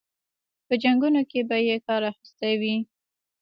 په جنګونو کې به یې کار اخیستی وي.